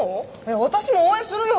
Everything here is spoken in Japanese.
私も応援するよ！